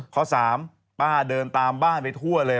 ข้อ๓ป้าเดินตามบ้านไปทั่วเลย